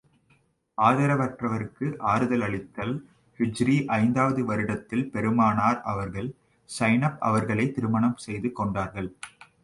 ஆதரவற்றவருக்கு ஆறுதல் அளித்தல் ஹிஜ்ரீ ஐந்தாவது வருடத்தில் பெருமானார் அவர்கள், ஸைனப் அவர்களைத் திருமணம் செய்து கொண்டார்கள்.